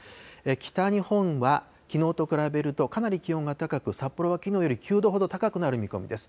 北日本はきのうと比べるとかなり気温が高く、札幌はきのうより９度ほど高くなる見込みです。